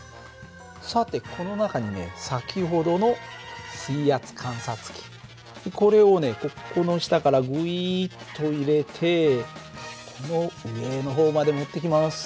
さてこの中にね先ほどの水圧観察器これをねここの下からグイッと入れてこの上の方まで持ってきます。